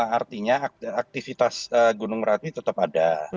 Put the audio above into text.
artinya aktivitas gunung merapi tetap ada